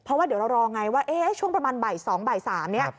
เพราะว่าเดี๋ยวเรารอไงว่าเอ๊ะช่วงประมาณใบ๒ใบ๓เนี่ย